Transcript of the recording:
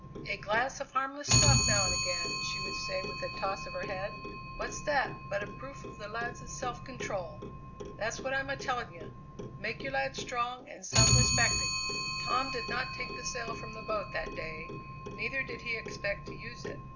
"A glass of harmless stuff now and again," she would say with a toss of her head; "what's that but a proof of the lads' self control? That's what I'm a telling you: make your lads strong and self respecting." Tom did not take the sail from the boat that day, neither did he expect to use it.